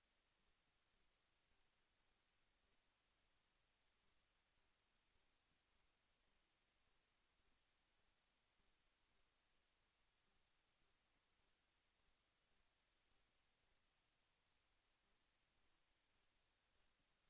โปรดติดตามตอนต่อไป